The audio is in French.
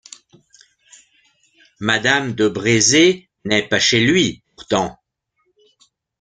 Madame de Brézé n’est pas chez lui pourtant.